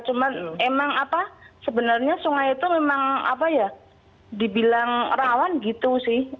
cuman emang apa sebenarnya sungai itu memang apa ya dibilang rawan gitu sih